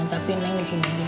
tapi neng di sini aja